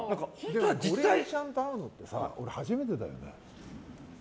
ゴリエちゃんと会うのって俺、初めてだよね。